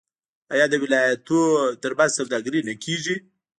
آیا د ولایتونو ترمنځ سوداګري نه کیږي؟